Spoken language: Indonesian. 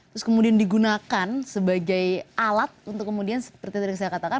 terus kemudian digunakan sebagai alat untuk kemudian seperti tadi saya katakan